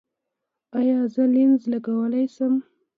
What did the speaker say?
ایا زه لینز لګولی شم؟